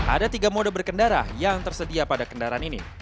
ada tiga mode berkendara yang tersedia pada kendaraan ini